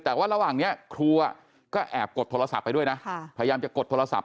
แต่ว่าระหว่างนี้ครูก็แอบกดโทรศัพท์ไปด้วยนะพยายามจะกดโทรศัพ